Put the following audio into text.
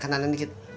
kanan bukan kanan dikit